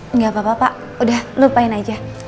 enggak apa apa pak udah lupain aja